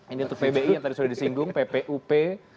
ini untuk pbi yang tadi sudah disinggung ppup